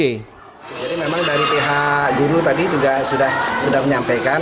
jadi memang dari pihak guru tadi juga sudah menyampaikan